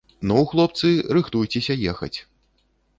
Ну, хлопцы, рыхтуйцеся ехаць.